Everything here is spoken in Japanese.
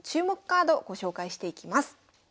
カードご紹介していきます。